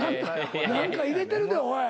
何か入れてるでおい。